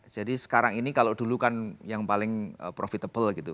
jadi sekarang ini kalau dulu kan yang paling profitable gitu